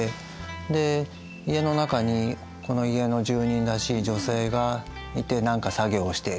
で家の中にこの家の住人らしい女性がいて何か作業をしている。